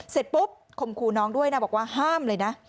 เสร็จปุ๊บข่มขู่น้องด้วยนะบอกว่าห้ามเลยนะ